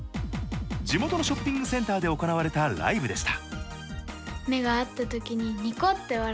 地元のショッピングセンターで行われたライブでした。